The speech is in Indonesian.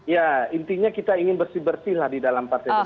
ya intinya kita ingin bersih bersihlah di dalam partai pemerintah